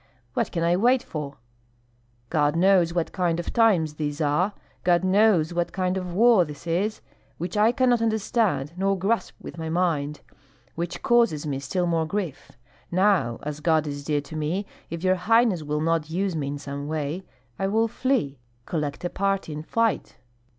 What can I wait for? God knows what kind of times these are, God knows what kind of war this is, which I cannot understand nor grasp with my mind, which causes me still more grief. Now, as God is dear to me, if your highness will not use me in some way, I will flee, collect a party, and fight."